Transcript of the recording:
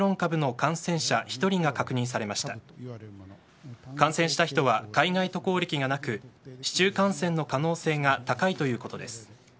感染した人は海外渡航歴がなく市中感染の可能性が高いということです。